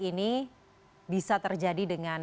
ini bisa terjadi dengan